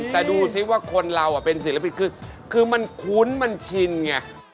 แต่ดูสิว่าคนเราเป็นศิลปินคือมันคุ้นมันชินไง